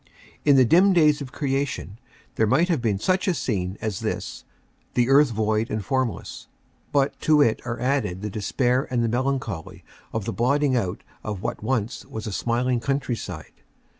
In the dim days of creation there might have been such a scene as this the earth void and formless. But to it are added the despair and the melancholy of the blotting out of what once was a smiling countryside.